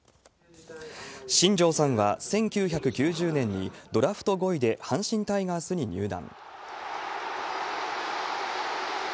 新庄さんは１９９０年にドラフト５位で阪神タイガースに入団。